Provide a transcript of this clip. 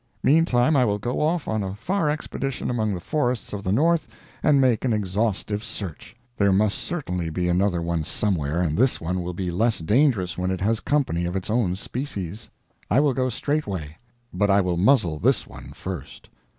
Meantime I will go off on a far expedition among the forests of the north and make an exhaustive search. There must certainly be another one somewhere, and this one will be less dangerous when it has company of its own species. I will go straightway; but I will muzzle this one first.